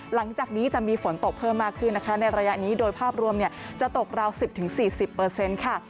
หลังจากนี้จะมีฝนตกเพิ่มมากขึ้นนะคะในระยะนี้โดยภาพรวมจะตกราว๑๐๔๐ค่ะ